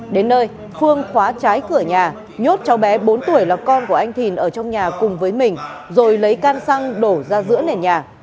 đến nơi phương khóa trái cửa nhà nhốt cháu bé bốn tuổi là con của anh thìn ở trong nhà cùng với mình rồi lấy can xăng đổ ra giữa nền nhà